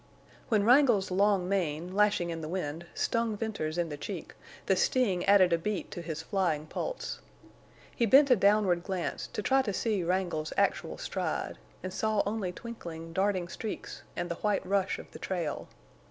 When Wrangle's long mane, lashing in the wind, stung Venters in the cheek, the sting added a beat to his flying pulse. He bent a downward glance to try to see Wrangle's actual stride, and saw only twinkling, darting streaks and the white rush of the trail.